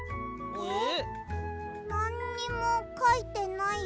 えっ！